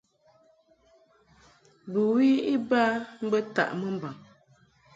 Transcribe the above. Bɨwi iba mbə taʼ mɨmbaŋ.